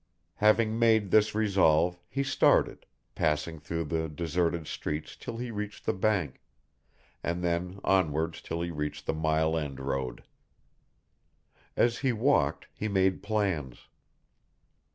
Having made this resolve, he started, passing through the deserted streets till he reached the Bank, and then onwards till he reached the Mile End Road. As he walked he made plans.